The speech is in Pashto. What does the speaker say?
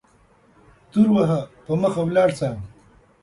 تور وهه په مخه ولاړ سه